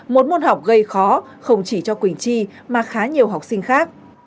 một môn học gây khó không chỉ cho quỳnh chi mà khá nhiều học sinh khác